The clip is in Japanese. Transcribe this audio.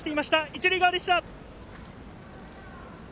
一塁側でした。